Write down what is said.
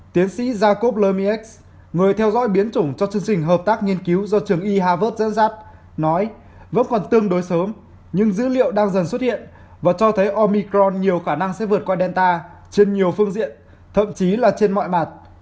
tiến sĩ jakov lmiex người theo dõi biến chủng cho chương trình hợp tác nghiên cứu do trường y harvard dẫn dắt nói vẫn còn tương đối sớm nhưng dữ liệu đang dần xuất hiện và cho thấy omicron nhiều khả năng sẽ vượt qua delta trên nhiều phương diện thậm chí là trên mọi mặt